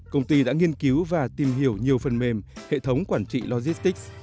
công ty đã nghiên cứu và tìm hiểu nhiều phần mềm hệ thống quản trị logistics